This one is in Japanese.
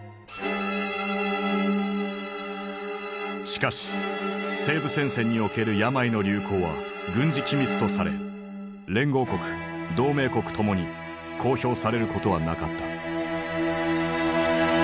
しかし西部戦線における病の流行は軍事機密とされ連合国同盟国ともに公表されることはなかった。